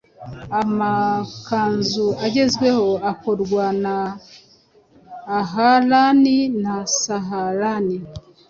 Amakanzu agezweho akorwa na Ahlan wa Sahlan